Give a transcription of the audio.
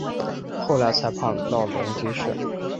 后来才搬到基隆市。